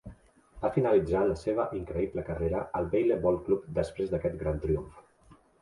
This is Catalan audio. Va finalitzar la seva increïble carrera al Vejle Boldklub després d'aquest gran triomf.